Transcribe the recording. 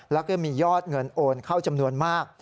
แล้วก็มียอดเงินโอนเข้าจำนวนมาก